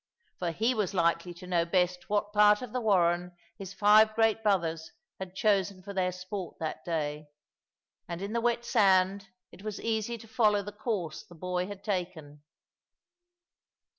For he was likely to know best what part of the warren his five great brothers had chosen for their sport that day; and in the wet sand it was easy to follow the course the boy had taken.